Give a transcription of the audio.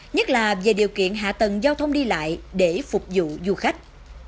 nhất là về điều kiện hạ tầng giao thông đi lại để phục vụ du khách